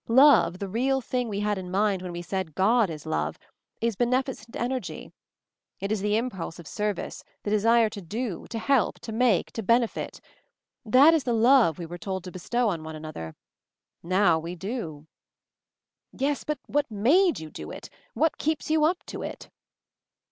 Love, the real thing we had in mind when we said 'God is Love,' is beneficent energy. It is the impulse of service, the desire to do, to help, to make, to benefit. That is the 'love* we were told to bestow on one another. Now we do." "Yes; but what made you do it? What keeps you up to it?"